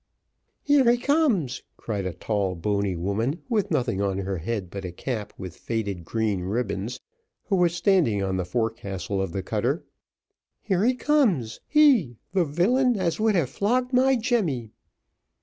"Here he comes," cried a tall bony woman, with nothing on her head but a cap with green faded ribbons, who was standing on the forecastle of the cutter. "Here he comes; he, the willain, as would have flogged my Jemmy."